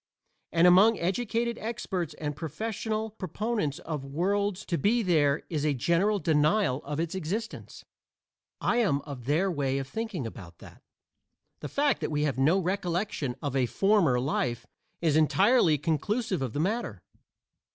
And among educated experts and professional proponents of worlds to be there is a general denial of its existence. I am of their way of thinking about that. The fact that we have no recollection of a former life is entirely conclusive of the matter.